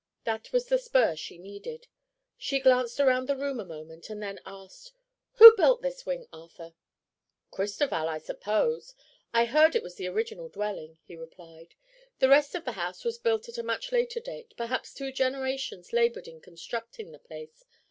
That was the spur she needed. She glanced around the room a moment and then asked: "Who built this wing, Arthur?" "Cristoval, I suppose. I've heard it was the original dwelling," he replied. "The rest of the house was built at a much later date. Perhaps two generations labored in constructing the place.